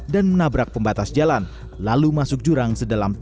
dan menabrak pembatas jalan lalu masuk jurang sedalam tiga ratus lima puluh meter